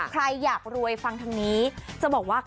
ใครอยากรวยฟังทางนี้จะบอกว่า